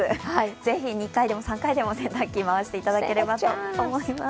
ぜひ２回でも３回でも洗濯機回していただければと思います。